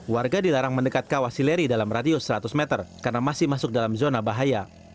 warga dilarang mendekat kawah sileri dalam radius seratus meter karena masih masuk dalam zona bahaya